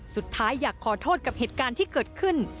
สุดท้ายอยากขอโทษกับเหตุการณ์ที่เกิดขึ้น